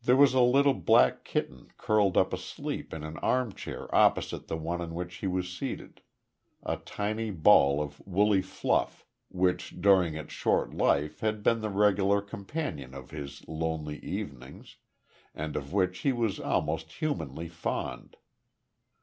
There was a little black kitten curled up asleep in an armchair opposite the one in which he was seated a tiny ball of woolly fluff, which during its short life had been the regular companion of his lonely evenings, and of which he was almost humanly fond.